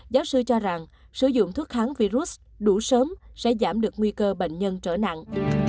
giáo sư cho rằng sử dụng thuốc kháng virus đủ sớm sẽ giảm được nguy cơ bệnh nhân trở nặng